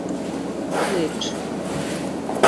— Клич.